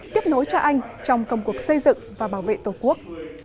tiếp nối cho anh trong công cuộc xây dựng và bảo vệ tổ quốc